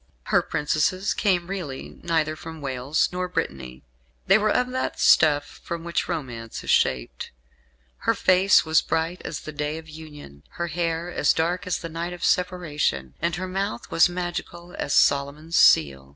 Her princesses came really neither from Wales nor Brittany. They were of that stuff from which romance is shaped. "Her face was bright as the day of union; her hair dark as the night of separation; and her mouth was magical as Solomon's seal."